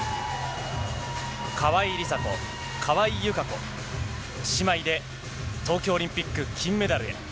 川井梨紗子、川井友香子、姉妹で東京オリンピック金メダルへ。